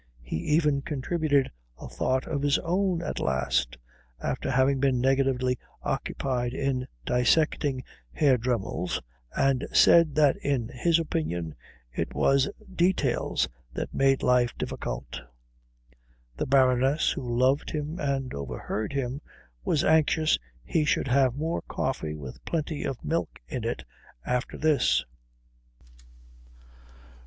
He even contributed a thought of his own at last, after having been negatively occupied in dissecting Herr Dremmel's, and said that in his opinion it was details that made life difficult. The Baroness, who loved him and overheard him, was anxious he should have more coffee with plenty of milk in it after this.